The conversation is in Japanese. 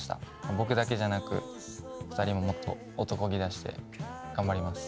僕だけじゃなく２人ももっと男気出して頑張ります。